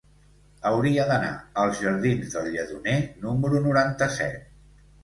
Hauria d'anar als jardins del Lledoner número noranta-set.